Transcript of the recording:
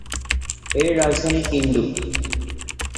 এর রাজধানী কিন্ডু।